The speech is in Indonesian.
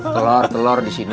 telur telur di sini